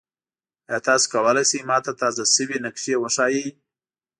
ایا تاسو کولی شئ ما ته تازه شوي نقشې وښایئ؟